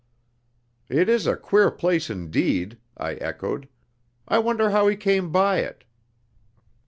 "It is a queer place indeed," I echoed. "I wonder how he came by it?"